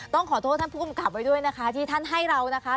ต้องขอโทษท่านผู้กำกับไว้ด้วยนะคะที่ท่านให้เรานะคะ